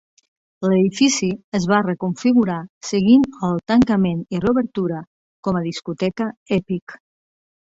L'edifici es va reconfigurar seguint el tancament i reobertura com a discoteca Epic.